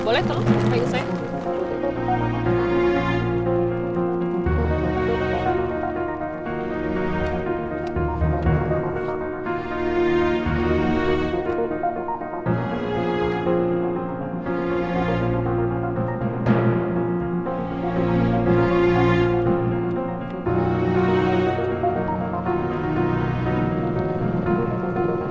boleh terima kasih